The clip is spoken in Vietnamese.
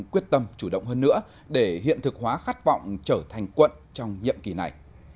quyết tâm chủ động hơn nữa để hiện thực hóa khát vọng trở thành quận trong nhiệm kỳ này